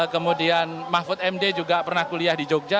kemudian mahfud md juga pernah kuliah di jogja